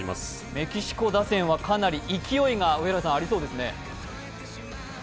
メキシコ打線はかなり勢いがありそうですね。